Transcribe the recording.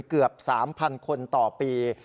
เกือบ๓๐๐คนต่อปี